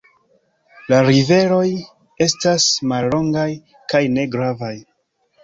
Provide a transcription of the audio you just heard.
La riveroj estas mallongaj kaj ne gravaj.